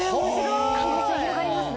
可能性広がりますね。